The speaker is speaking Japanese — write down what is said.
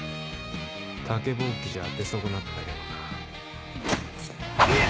竹ぼうきじゃ当て損なったけどな。